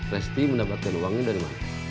resti mendapatkan uangnya dari mana